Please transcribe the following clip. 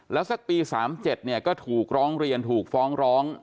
แล้วสักปี๓๗เนี่ยก็ถูกร้องเรียนถูกฟ้องร้อง